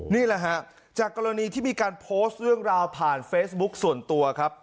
นี่แหละฮะจากกรณีที่มีการโพสต์เรื่องราวผ่านเฟซบุ๊คส่วนตัวครับ